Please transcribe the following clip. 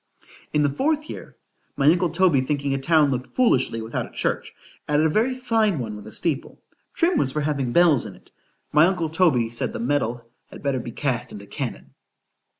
In the fourth year, my uncle Toby thinking a town looked foolishly without a church, added a very fine one with a steeple.——Trim was for having bells in it;——my uncle Toby said, the metal had better be cast into cannon.